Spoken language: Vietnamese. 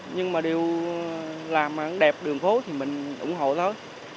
nhưng mà đều làm đẹp đường phố thì mình ủng hộ thôi